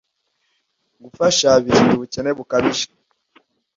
gufasha birinda ubukene bukabije.